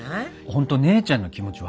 本当姉ちゃんの気持ち分かるわ。